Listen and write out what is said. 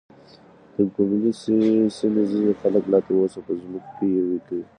د ګوملې سيمې ځينې خلک لا تر اوسه په ځمکو کې يوې کوي .